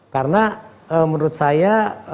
karena menurut saya